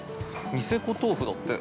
ニセコ豆腐だって。